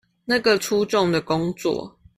那個粗重的工作